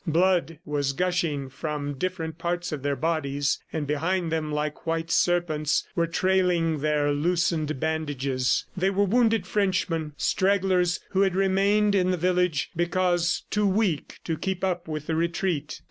Blood was gushing from different parts of their bodies and behind them, like white serpents, were trailing their loosened bandages. They were wounded Frenchmen, stragglers who had remained in the village because too weak to keep up with the retreat.